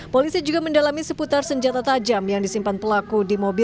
polisi juga mendalami seputar senjata tajam yang disimpan pelaku di mobil